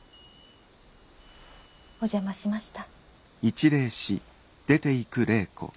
お邪魔しました。